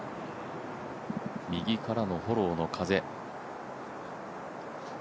右からのフォローの風。